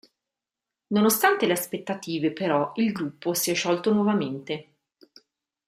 Nonostante le aspettative però il gruppo si è sciolto nuovamente.